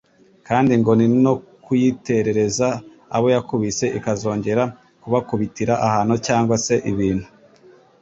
kandi ngo ni no kuyiterereza abo yakubise, ikazongera kubakubitira ahantu cyangwa se ibintu